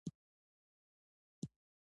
وژنه د بښنې وړ نه ده